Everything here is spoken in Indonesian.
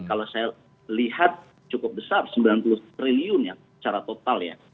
kita lihat cukup besar rp sembilan puluh triliun ya secara total ya